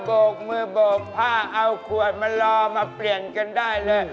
โกกมือโบกผ้าเอาขวดมารอมาเปลี่ยนกันได้เลย